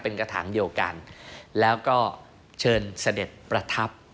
เป็นกระถางเดียวกันแล้วก็เชิญเสด็จประทับ